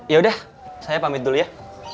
ya udah saya pamit dulu ya